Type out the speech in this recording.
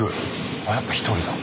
あっやっぱ１人だ。